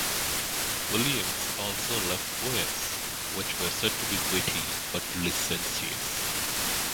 Williams also left poems which were said to be "witty but licentious".